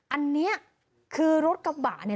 อันนี้คือรถกระบะเนี่ย